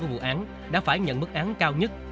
của vụ án đã phải nhận mức án cao nhất